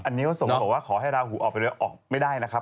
อันนี้สมครับว่าขอให้ลาหูออกไปเลยหรือออกไม่ได้นะครับ